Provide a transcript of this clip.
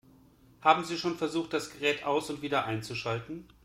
Haben Sie schon versucht, das Gerät aus- und wieder einzuschalten?